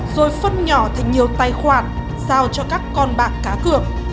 rồi phân nhỏ thành nhiều tài khoản giao cho các con bạc cá cược